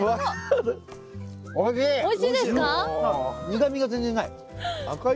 苦みが全然ない。